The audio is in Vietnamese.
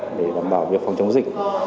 để đảm bảo việc phòng chống dịch